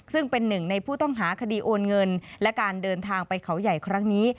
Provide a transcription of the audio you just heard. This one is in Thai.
ซึ่งเป็นหนึ่งในผู้ต้องหาคดีโอนเงินและการเดินทางไปเขาใหญ่ครั้งนี้